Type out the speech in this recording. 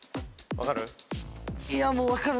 分かる？